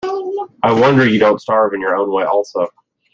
I wonder you don't starve in your own way also.